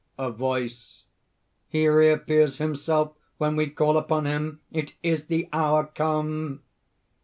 A VOICE. "He reappears himself when we call upon him! It is the hour! come!"